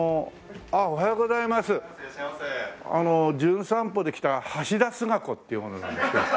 あの『じゅん散歩』で来た橋田壽賀子っていう者なんですけど。